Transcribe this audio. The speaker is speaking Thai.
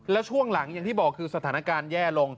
แล้วช่วงหลังอย่างที่บอกคือสถานการณ์แย่ลง